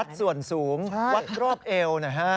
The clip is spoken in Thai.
ส่วนสูงวัดรอบเอวนะฮะ